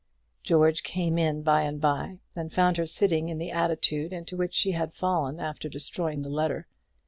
George came in by and by, and found her sitting in the attitude into which she had fallen after destroying the letter.